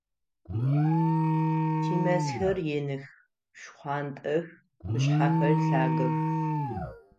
Тимэзхэр иных, шхъуантӏэх, къушъхьэхэр лъагэх.